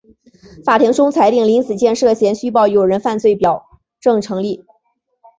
法庭终裁定林子健涉嫌虚报有人犯罪表证成立。